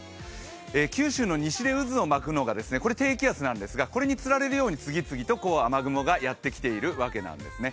九州の西で渦を巻くのが低気圧なんですが、これにつられるように、次々と雨雲がやってきてるわけなんですね。